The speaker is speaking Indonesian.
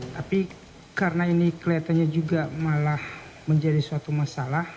tapi karena ini kelihatannya juga malah menjadi suatu masalah